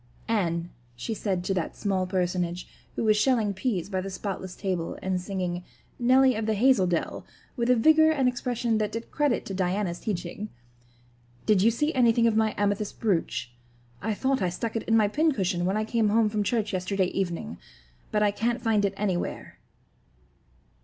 "Anne," she said to that small personage, who was shelling peas by the spotless table and singing, "Nelly of the Hazel Dell" with a vigor and expression that did credit to Diana's teaching, "did you see anything of my amethyst brooch? I thought I stuck it in my pincushion when I came home from church yesterday evening, but I can't find it anywhere."